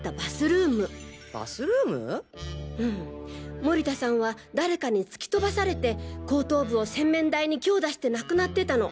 盛田さんは誰かに突き飛ばされて後頭部を洗面台に強打して亡くなってたの。